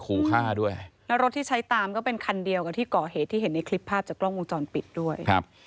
ข้อมูลจากคุณแม่นี่ก็คือไหนมองเนี่ย